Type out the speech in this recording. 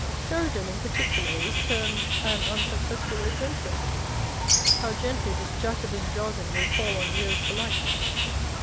Sheridan, in particular, is termed " an unsuc cessful adventurer." How gently this Jacobin jargon will fall on ears polite